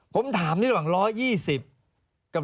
ผมถามนี่ระหว่าง๑๒๐กับ